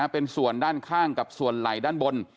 เป็นส่วนด้านข้างกับส่วนไหล่ด้านบน